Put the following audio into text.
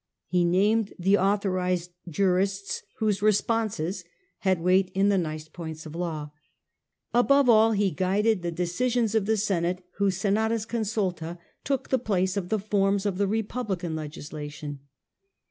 He named the authorized jurists whose responses had weight in the nice points of law. Above all, he guided the deci sions of the Senate, whose Senatus considta took the place of the forms of the republican legislation.